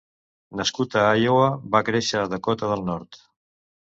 Nascut a Iowa, va créixer a Dakota del Nord.